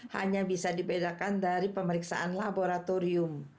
hanya bisa dibedakan dari pemeriksaan laboratorium